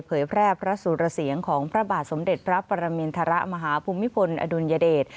เผยแพร่พระสุรเสียงของพระบาทสมเด็จพระปรมินทรมาฮภูมิพลอดุลยเดช